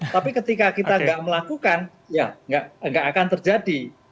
tapi ketika kita tidak melakukan ya nggak akan terjadi